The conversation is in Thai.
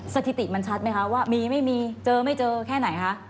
สถิติมันชัดไหมคะว่ามีไม่มีเจอไม่เจอแค่ไหนคะ